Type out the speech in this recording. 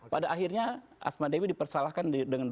pada akhirnya asma dewi dipersalahkan dengan dua ratus tujuh